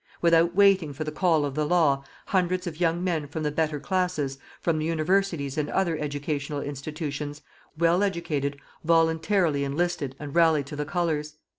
Without waiting for the call of the law, hundreds of young men from the better classes, from the universities and other educational institutions, well educated, voluntarily enlisted and rallied to the Colours.